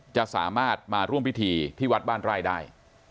จะสามารถมาร่วมพิธีที่วัดบ้านไร่ได้